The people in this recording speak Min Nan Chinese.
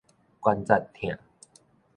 關節疼